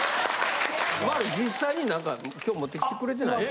丸実際に何か今日持ってきてくれてないの。